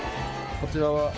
こちらは？